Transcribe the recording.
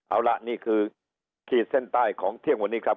เอาละนี่คือขีดเส้นใต้ของเที่ยงวันนี้ครับ